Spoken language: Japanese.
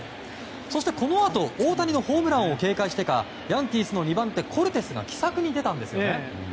そしてこのあと大谷のホームランを警戒してかヤンキースの２番手コルテスが奇策に出たんです。